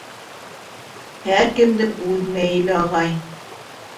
Һәр кемдең үҙ мәйеле, ағай...